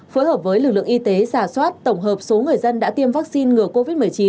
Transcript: phối hợp với lực lượng y tế giả soát tổng hợp số người dân đã tiêm vaccine ngừa covid một mươi chín